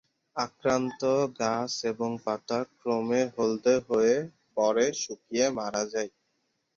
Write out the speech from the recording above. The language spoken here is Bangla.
আক্রান্ত গাছ এবং পাতা ক্রমে হলদে হয়ে পরে শুকিয়ে মারা যায়।